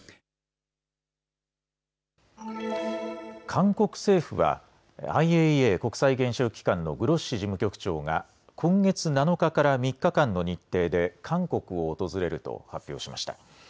韓国政府はＩＡＥＡ・国際原子力機関のグロッシ事務局長が今月７日から３日間の日程で韓国を訪れると発表しました。